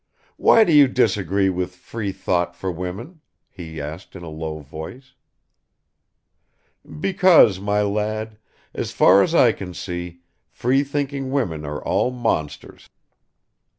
"Why do you disagree with free thought for women?" he asked in a low voice. "Because, my lad, as far as I can see, free thinking women are all monsters."